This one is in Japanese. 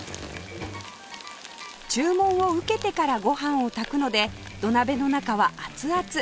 注文を受けてからご飯を炊くので土鍋の中は熱々